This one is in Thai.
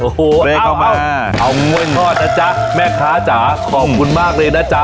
โอ้โหเอาเอาเงินทอดนะจ๊ะแม่ค้าจ๋าขอบคุณมากเลยนะจ๊ะ